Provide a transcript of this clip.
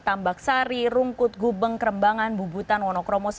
tambak sari rungkut gubeng kerembangan bubutan wonokromo